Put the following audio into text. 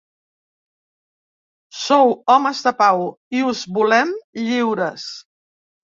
Sou homes de pau i us volem lliures.